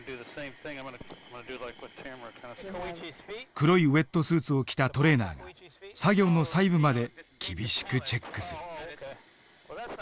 黒いウエットスーツを着たトレーナーが作業の細部まで厳しくチェックする。